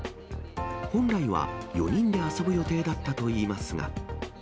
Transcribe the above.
本来は４人で遊ぶ予定だったといいますが。